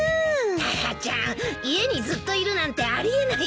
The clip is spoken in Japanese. タラちゃん家にずっといるなんてあり得ないよ。